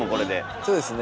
そうですね